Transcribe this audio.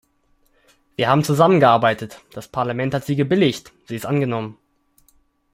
Wir haben zusammengearbeitet, das Parlament hat sie gebilligt, sie ist angenommen.